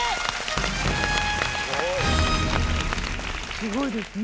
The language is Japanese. すごいですね。